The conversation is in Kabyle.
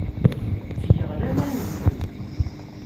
Ttgeɣ laman deg-m.